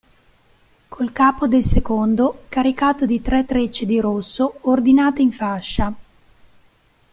Col capo del secondo, caricato di tre trecce di rosso, ordinate in fascia".